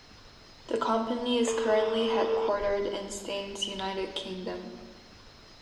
The company is currently headquartered in Staines, United Kingdom.